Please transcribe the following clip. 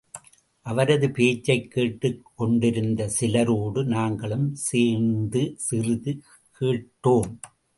அவரது பேச்சைக் கேட்டுக் கொண்டிருந்த சிலரோடு நாங்களும் சேர்ந்து சிறிது கேட்டோம்.